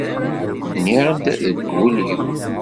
Nniɣ-d deg wul-iw.